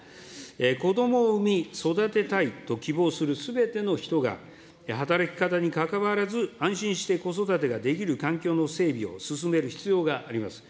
子どもを産み育てたいと希望するすべての人が、働き方に関わらず、安心して子育てができる環境の整備を進める必要があります。